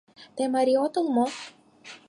Тый марий отыл мо?